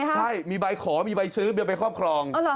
ใช่มีใบขอมีใบซื้อมีใบครอบครอง